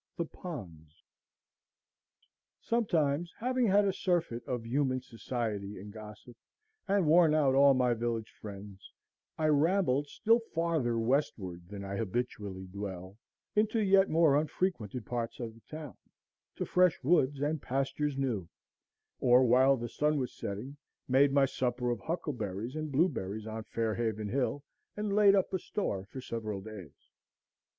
The Ponds Sometimes, having had a surfeit of human society and gossip, and worn out all my village friends, I rambled still farther westward than I habitually dwell, into yet more unfrequented parts of the town, "to fresh woods and pastures new," or, while the sun was setting, made my supper of huckleberries and blueberries on Fair Haven Hill, and laid up a store for several days.